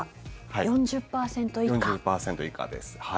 ４０％以下です。